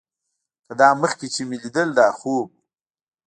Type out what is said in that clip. که دا مخکې چې مې ليدل دا خوب و.